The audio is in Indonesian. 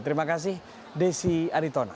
terima kasih desy aritona